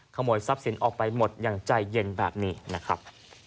ขโมยทรัพย์สินออกไปหมดอย่างใจเย็นแบบนี้นะครับ